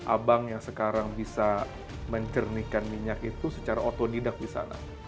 abang yang sekarang bisa mencernihkan minyak itu secara otodidak di sana